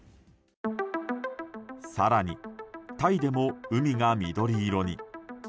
更に、タイでも海が緑色に。